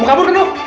mau kabur kan lu